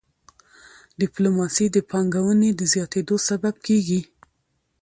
ډيپلوماسي د پانګوني د زیاتيدو سبب کېږي.